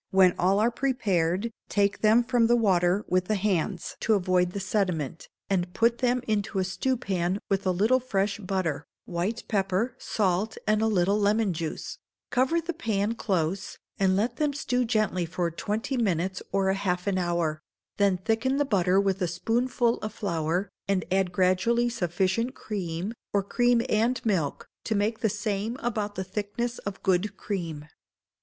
When all are prepared, take them from the water with the hands to avoid the sediment, and put them into a stewpan with a little fresh butter, white pepper, salt, and a little lemon juice; cover the pan close, and let them stew gently for twenty minutes or half an hour; then thicken the butter with a spoonful of flour, and add gradually sufficient cream, or cream and milk, to make the same about the thickness of good cream.